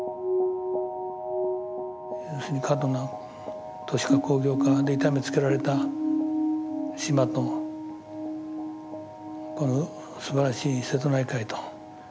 要するに過度な都市化工業化で痛めつけられた島とこのすばらしい瀬戸内海と。